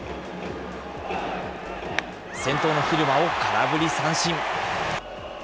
先頭の蛭間を空振り三振。